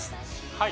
はい